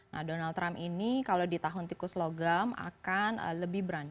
nah donald trump ini kalau di tahun tikus logam akan lebih berani